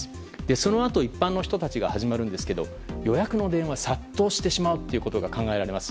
そのあと一般の人たちが始まるんですけど予約の電話が殺到してしまうことが考えられます。